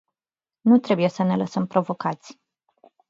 Nu trebuie să ne lăsăm provocați.